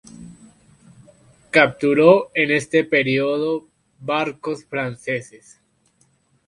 Capturó en este periodo barcos franceses.